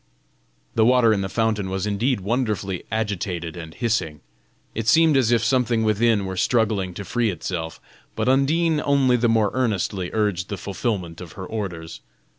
The water in the fountain was indeed wonderfully agitated and hissing; it seemed as if something within were struggling to free itself, but Undine only the more earnestly urged the fulfilment of her orders.